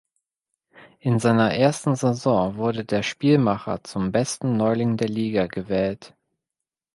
In seiner ersten Saison wurde der Spielmacher zum besten Neuling der Liga gewählt.